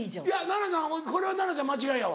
奈々ちゃんこれは奈々ちゃん間違いやわ。